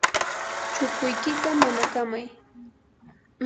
chukuykita manakamay.